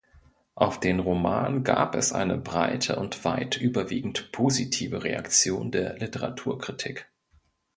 Auf den Roman gab es eine breite und weit überwiegend positive Reaktion der Literaturkritik.